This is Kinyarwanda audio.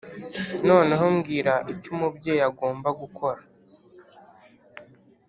noneho mbwira icyo umubyeyi agomba gukora